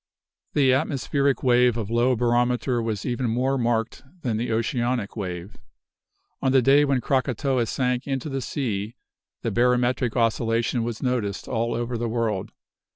The atmospheric wave of low barometer was even more marked than the oceanic wave. On the day when Krakatoa sank into the sea, the barometric oscillation was noticed all over the world.